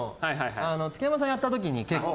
月山さんをやった時に結構。